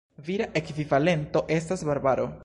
Vira ekvivalento estas Barbaro.